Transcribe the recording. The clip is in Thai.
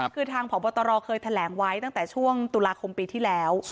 คือทางพบตรเคยแถลงไว้ตั้งแต่ช่วงตุลาคมปีที่แล้ว